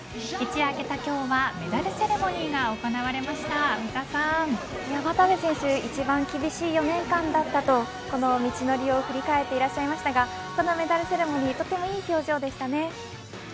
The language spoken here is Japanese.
一夜明けた今日はメダルセレモニーが渡部選手一番厳しい４年間だったとこの道のりを振り返っていらっしゃいましたがこのメダルセレモニーとてもいい表情でしたね。